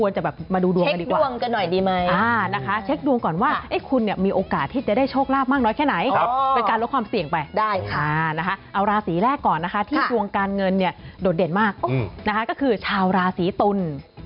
เอาราศีแรกก่อนนะคะที่ดวงการเงินเนี่ยโดดเด่นมากนะคะก็คือชาวราศีตุล